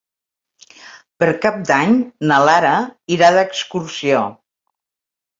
Per Cap d'Any na Lara irà d'excursió.